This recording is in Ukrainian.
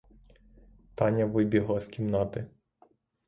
Таня вибігла з кімнати.